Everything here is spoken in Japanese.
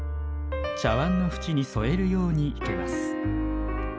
茶わんの縁に添えるように生けます。